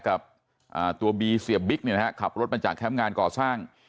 กับตัวบีเสียบิ๊กเนี่ยนะฮะขับรถมาจากแคมป์งานก่อสร้าง